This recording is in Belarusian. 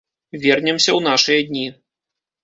Вернемся ў нашыя дні.